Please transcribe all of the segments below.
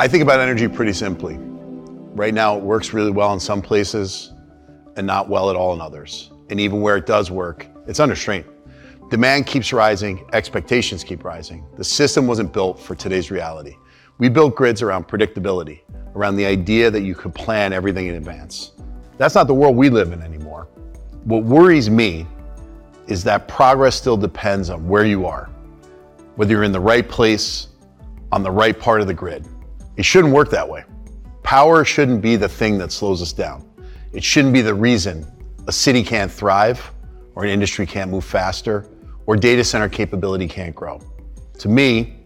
I think about energy pretty simply. Right now, it works really well in some places and not well at all in others. And even where it does work, it's under strain. Demand keeps rising, expectations keep rising. The system wasn't built for today's reality. We built grids around predictability, around the idea that you could plan everything in advance. That's not the world we live in anymore. What worries me is that progress still depends on where you are, whether you're in the right place, on the right part of the grid. It shouldn't work that way. Power shouldn't be the thing that slows us down. It shouldn't be the reason a city can't thrive or an industry can't move faster or data center capability can't grow. To me,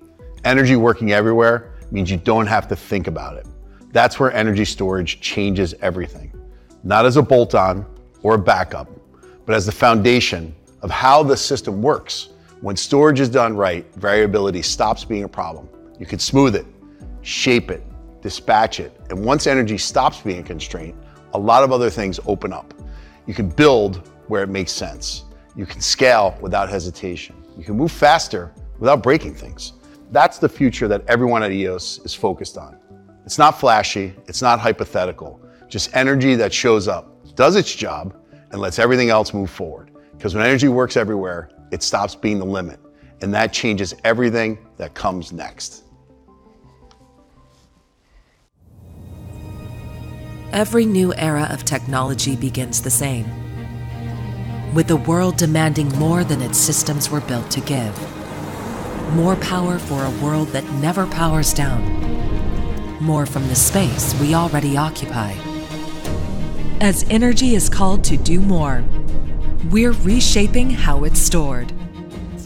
energy working everywhere means you don't have to think about it. That's where energy storage changes everything. Not as a bolt-on or a backup, but as the foundation of how the system works. When storage is done right, variability stops being a problem. You can smooth it, shape it, dispatch it. And once energy stops being a constraint, a lot of other things open up. You can build where it makes sense. You can scale without hesitation. You can move faster without breaking things. That's the future that everyone at Eos is focused on. It's not flashy. It's not hypothetical. Just energy that shows up, does its job, and lets everything else move forward. Because when energy works everywhere, it stops being the limit. And that changes everything that comes next. Every new era of technology begins the same, with the world demanding more than its systems were built to give. More power for a world that never powers down. More from the space we already occupy. As energy is called to do more, we're reshaping how it's stored.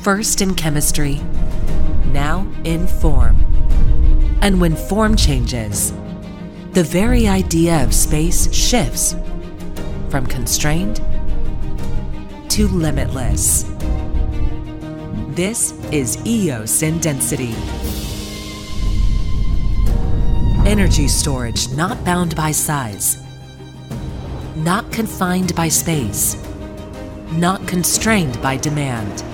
First in chemistry, now in form. And when form changes, the very idea of space shifts from constrained to limitless. This is Eos InDensity. Energy storage not bound by size, not confined by space, not constrained by demand.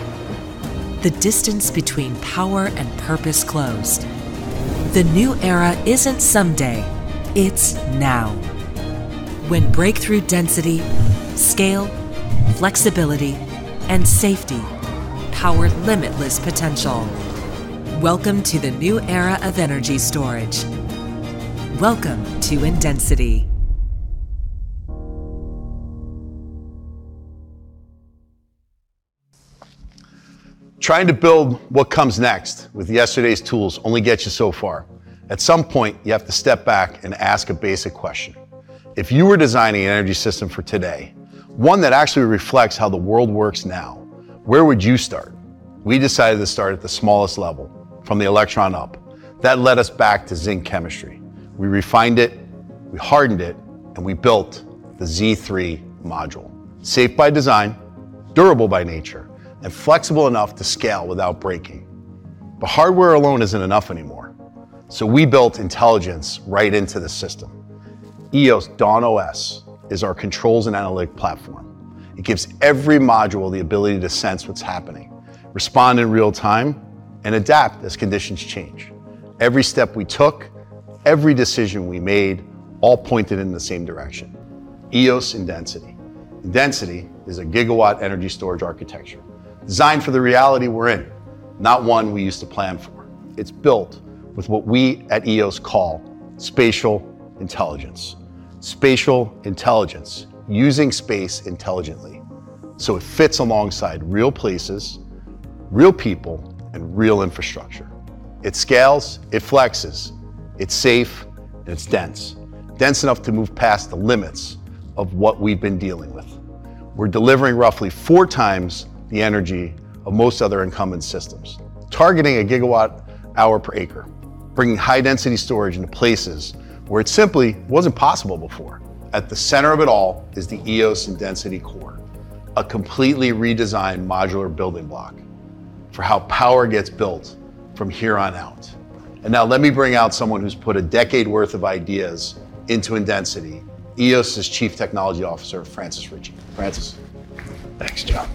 The distance between power and purpose closed. The new era isn't someday. It's now. When breakthrough density, scale, flexibility, and safety power limitless potential. Welcome to the new era of energy storage. Welcome to InDensity. Trying to build what comes next with yesterday's tools only gets you so far. At some point, you have to step back and ask a basic question. If you were designing an energy system for today, one that actually reflects how the world works now, where would you start? We decided to start at the smallest level, from the electron up. That led us back to zinc chemistry. We refined it, we hardened it, and we built the Z3 module. Safe by design, durable by nature, and flexible enough to scale without breaking. But hardware alone isn't enough anymore. So we built intelligence right into the system. Eos Dawn OS is our controls and analytics platform. It gives every module the ability to sense what's happening, respond in real time, and adapt as conditions change. Every step we took, every decision we made, all pointed in the same direction. Eos InDensity. Density is a gigawatt energy storage architecture designed for the reality we're in, not one we used to plan for. It's built with what we at Eos call spatial intelligence. Spatial intelligence using space intelligently so it fits alongside real places, real people, and real infrastructure. It scales, it flexes, it's safe, and it's dense. Dense enough to move past the limits of what we've been dealing with. We're delivering roughly four times the energy of most other incumbent systems, targeting a gigawatt-hour per acre, bringing high-density storage into places where it simply wasn't possible before. At the center of it all is the Eos InDensity core, a completely redesigned modular building block for how power gets built from here on out. Now let me bring out someone who's put a decade's worth of ideas into InDensity, Eos' Chief Technology Officer, Francis Richey. Francis. Thanks, Joe.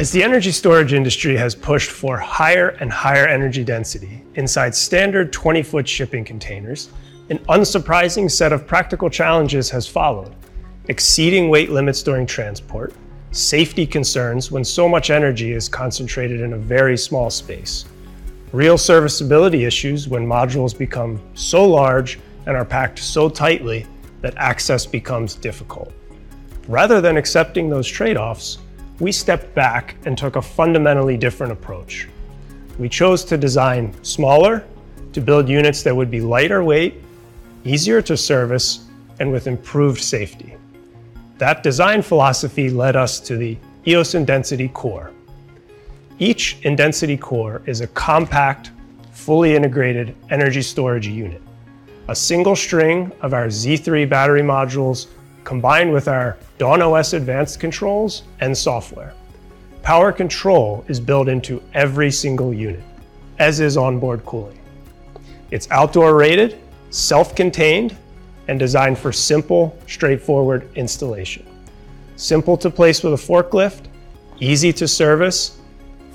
As the energy storage industry has pushed for higher and higher energy density inside standard 20-foot shipping containers, an unsurprising set of practical challenges has followed: exceeding weight limits during transport, safety concerns when so much energy is concentrated in a very small space, real serviceability issues when modules become so large and are packed so tightly that access becomes difficult. Rather than accepting those trade-offs, we stepped back and took a fundamentally different approach. We chose to design smaller, to build units that would be lighter weight, easier to service, and with improved safety. That design philosophy led us to the Eos InDensity core. Each InDensity core is a compact, fully integrated energy storage unit. A single string of our Z3 battery modules combined with our Dawn OS advanced controls and software. Power control is built into every single unit, as is onboard cooling. It's outdoor rated, self-contained, and designed for simple, straightforward installation. Simple to place with a forklift, easy to service,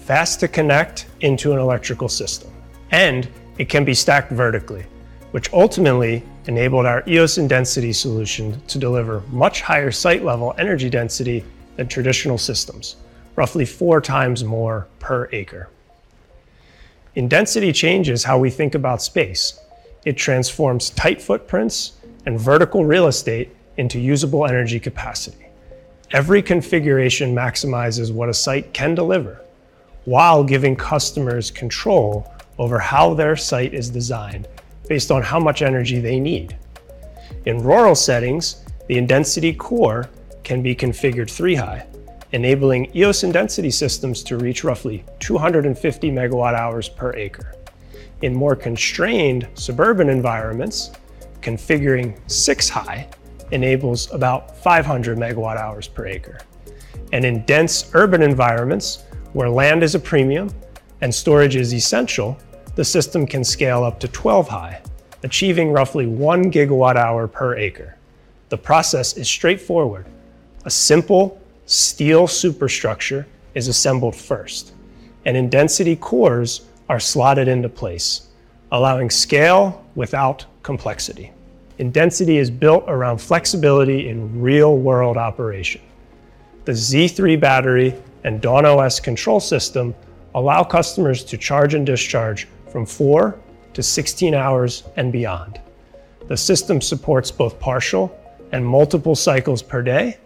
fast to connect into an electrical system, and it can be stacked vertically, which ultimately enabled our Eos InDensity solution to deliver much higher site-level energy density than traditional systems, roughly four times more per acre. InDensity changes how we think about space. It transforms tight footprints and vertical real estate into usable energy capacity. Every configuration maximizes what a site can deliver while giving customers control over how their site is designed based on how much energy they need. In rural settings, the InDensity core can be configured three high, enabling Eos InDensity systems to reach roughly 250 megawatt hours per acre. In more constrained suburban environments, configuring six high enables about 500 megawatt hours per acre. And in dense urban environments, where land is a premium and storage is essential, the system can scale up to 12 high, achieving roughly one gigawatt-hour per acre. The process is straightforward. A simple steel superstructure is assembled first, and InDensity cores are slotted into place, allowing scale without complexity. InDensity is built around flexibility in real-world operation. The Z3 battery and Dawn OS control system allow customers to charge and discharge from 4 to 16 hours and beyond. The system supports both partial and multiple cycles per day,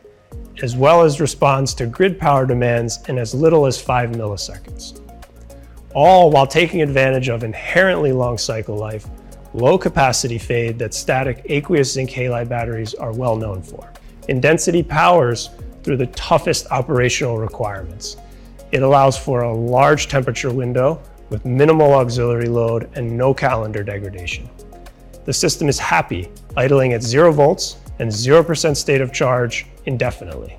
as well as responds to grid power demands in as little as five milliseconds. All while taking advantage of inherently long cycle life, low-capacity fade that static aqueous zinc halide batteries are well known for. InDensity powers through the toughest operational requirements. It allows for a large temperature window with minimal auxiliary load and no calendar degradation. The system is happy, idling at zero volts and 0% state of charge indefinitely,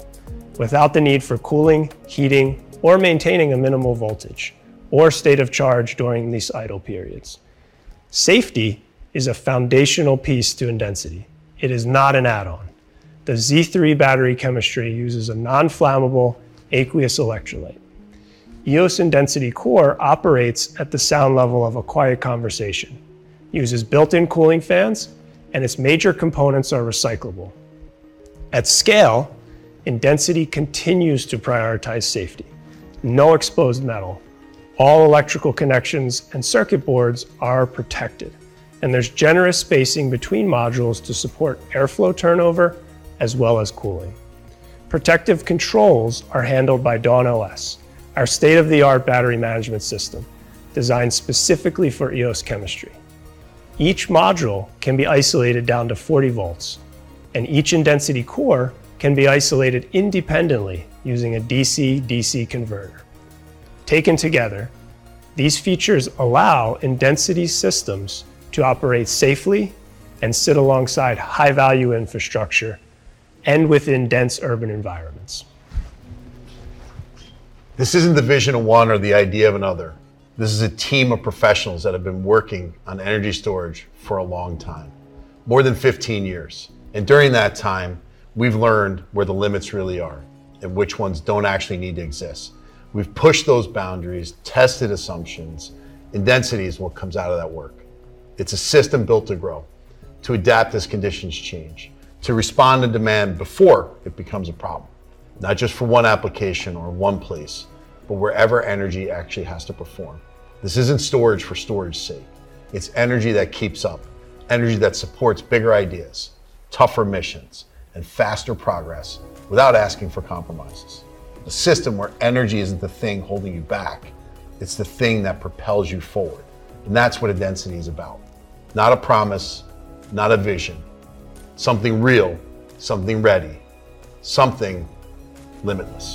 without the need for cooling, heating, or maintaining a minimal voltage or state of charge during these idle periods. Safety is a foundational piece to Eos InDensity. It is not an add-on. The Z3 battery chemistry uses a non-flammable aqueous electrolyte. Eos InDensity core operates at the sound level of a quiet conversation, uses built-in cooling fans, and its major components are recyclable. At scale, Eos InDensity continues to prioritize safety. No exposed metal. All electrical connections and circuit boards are protected, and there's generous spacing between modules to support airflow turnover as well as cooling. Protective controls are handled by Dawn OS, our state-of-the-art battery management system designed specifically for Eos chemistry. Each module can be isolated down to 40 volts, and each Eos InDensity core can be isolated independently using a DC-DC converter. Taken together, these features allow Eos InDensity systems to operate safely and sit alongside high-value infrastructure and within dense urban environments. This isn't the vision of one or the idea of another. This is a team of professionals that have been working on energy storage for a long time, more than 15 years, and during that time, we've learned where the limits really are and which ones don't actually need to exist. We've pushed those boundaries, tested assumptions, and density is what comes out of that work. It's a system built to grow, to adapt as conditions change, to respond to demand before it becomes a problem, not just for one application or one place, but wherever energy actually has to perform. This isn't storage for storage's sake. It's energy that keeps up, energy that supports bigger ideas, tougher missions, and faster progress without asking for compromises. A system where energy isn't the thing holding you back, it's the thing that propels you forward, and that's what InDensity is about. Not a promise, not a vision. Something real, something ready, something limitless.